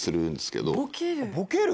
ボケる？